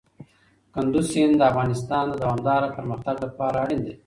کندز سیند د افغانستان د دوامداره پرمختګ لپاره اړین دی.